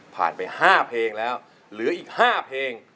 ผ่านไป๕เพลงแล้วเหลืออีก๕เพลง